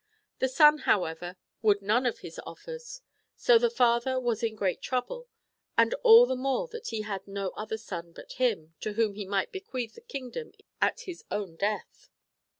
The son, however, would none of his off'ers ; so the father was in great trouble, and all the more that he had no other son but him, to whom he might bequeath the kingdom at his own death.